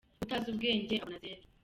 Utazi ubwenge abona zero.